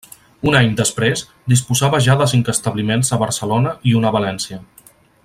Un any després, disposava ja de cinc establiments a Barcelona i un a València.